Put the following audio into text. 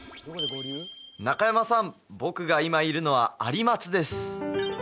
中山さん僕が今いるのは有松です